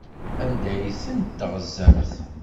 Anda ay tent-teɣzamt?